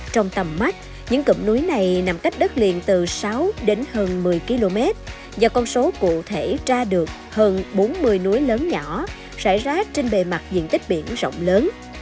trong tầm mắt những cụm núi này nằm cách đất liền từ sáu đến hơn một mươi km và con số cụ thể tra được hơn bốn mươi núi lớn nhỏ rải rác trên bề mặt diện tích biển rộng lớn